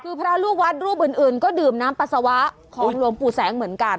คือพระลูกวัดรูปอื่นก็ดื่มน้ำปัสสาวะของหลวงปู่แสงเหมือนกัน